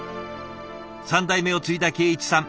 ３代目を継いだ敬一さん。